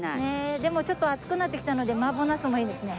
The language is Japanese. でもちょっと暑くなってきたので麻婆茄子もいいですね。